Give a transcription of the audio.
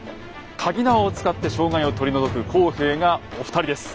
かぎ縄を使って障害を取り除く工兵がお二人です。